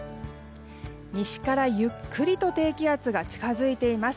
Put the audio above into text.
西からゆっくりと低気圧が近づいています。